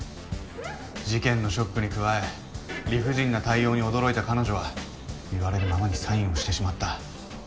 事件のショックに加え理不尽な対応に驚いた彼女は言われるままにサインをしてしまった。